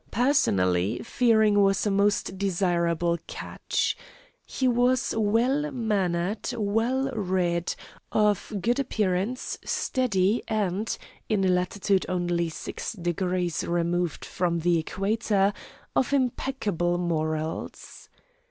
Personally, Fearing was a most desirable catch. He was well mannered, well read, of good appearance, steady, and, in a latitude only six degrees removed from the equator, of impeccable morals.